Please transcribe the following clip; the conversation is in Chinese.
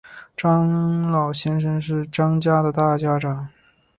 张老先生是张家的大家长